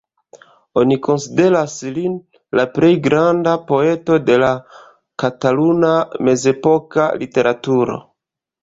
Oni konsideras lin la plej granda poeto de la kataluna mezepoka literaturo.